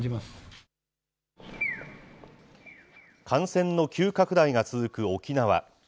感染の急拡大が続く沖縄。